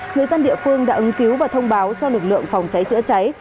người dân địa phương đã ứng cứu và thông báo cho lực lượng phòng cháy chữa cháy